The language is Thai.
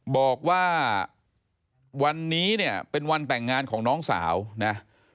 บอกว่าวันนี้เนี่ยเป็นวันแต่งงานของน้องสาวนะ